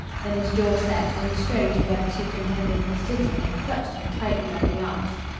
Then his jaw set, and he strode to where the superintendent was sitting and clutched him tightly by the arm.